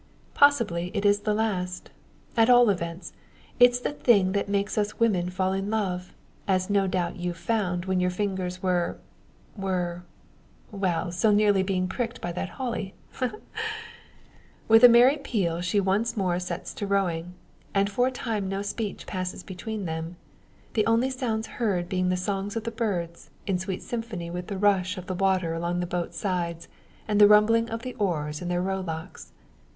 Possibly it is the last. At all events, it's the thing that makes us women fall in love; as no doubt you've found when your fingers were were well, so near being pricked by that holly. Ha, ha, ha!" With a merry peal she once more sets to rowing; and for a time no speech passes between them the only sounds heard being the songs of the birds, in sweet symphony with the rush of the water along the boat's sides, and the rumbling of the oars in their rowlocks.